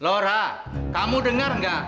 laura kamu dengar nggak